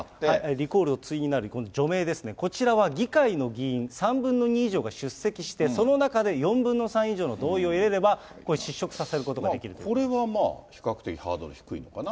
リコールの対になる、今度、除名ですね、こちらは、議会の議員３分の２以上が出席して、その中で４分の３以上の同意を得れば、これはまあ、比較的ハードルが低いのかな。